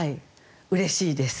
うれしいです。